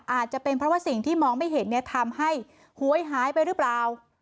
อาจจะเป็นเพราะว่าสิ่งที่มองไม่เห็นเนี่ยทำให้หวยหายไปหรือเปล่า